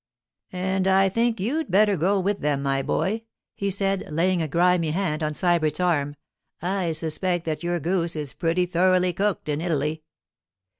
'And I think you'd better go with them, my boy,' he said, laying a grimy hand on Sybert's arm. 'I suspect that your goose is pretty thoroughly cooked in Italy.